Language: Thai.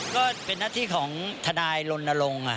ก็เป็นหน้าที่ของทนายลนลง